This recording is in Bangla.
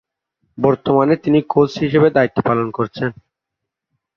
বর্তমানে তিনি কোচ হিসেবে দায়িত্ব পালন করছেন।